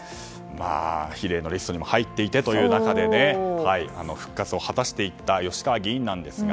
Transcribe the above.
比例のリストにも入っていてという中で復活を果たしていった吉川議員ですが。